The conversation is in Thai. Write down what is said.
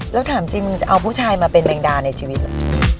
แล้วถามจริงมึงจะเอาผู้ชายมาเป็นแมงดาในชีวิตเหรอ